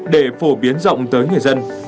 để phổ biến rộng tới người dân